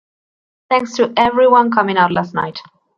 Thanks to everyone coming out last night.